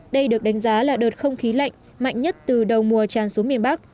đây được đánh giá là đợt không khí lạnh mạnh nhất từ đầu mùa tràn xuống miền bắc